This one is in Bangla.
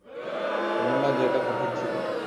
এমন না যে, এটা কঠিন ছিল!